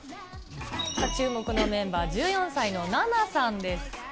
注目のメンバー、１４歳のナナさんです。